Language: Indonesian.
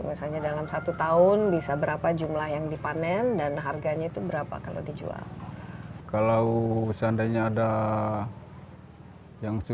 misalnya dalam satu tahun bisa berapa jumlah yang dipanen dan harganya itu berapa kalau dijual